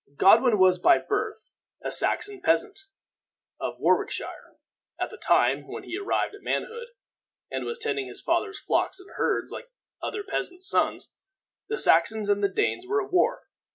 Godwin was by birth a Saxon peasant, of Warwickshire. At the time when he arrived at manhood, and was tending his father's flocks and herds like other peasants' sons, the Saxons and the Danes were at war.